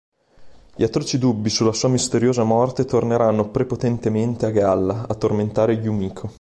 Gli atroci dubbi sulla sua misteriosa morte torneranno prepotentemente a galla a tormentare Yumiko.